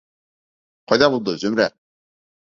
— Ҡайҙа булды Зөмрә?